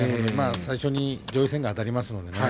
最初に上位戦がありますのでね。